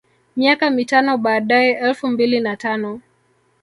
Miaka mitano baadae elfu mbili na tano